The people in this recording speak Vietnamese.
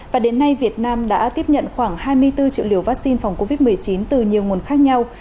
và đến nay việt nam đã tiếp nhận khoảng hai mươi bốn triệu liều vaccine phòng covid một mươi chín từ nhiều nguồn khác nhau